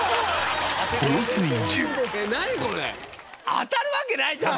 当たるわけないじゃん！